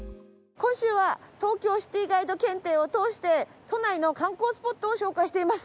今週は東京シティガイド検定を通して都内の観光スポットを紹介しています。